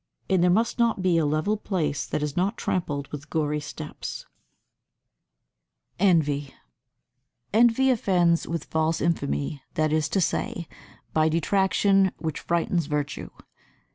And there must not be a level place that is not trampled with gory footsteps. [Sidenote: Envy] 86. Envy offends with false infamy, that is to say, by detraction which frightens virtue.